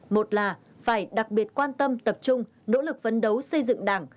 một là phải đặc biệt quan tâm tập trung nỗ lực vấn đấu xây dựng đảng